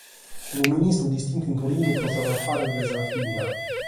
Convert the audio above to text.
Unu ministru distintu in Torinu pro sos Afares de Sardigna.